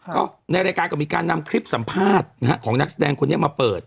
ก็ในรายการก็มีการนำคลิปสัมภาษณ์ของนักแสดงคนนี้มาเปิด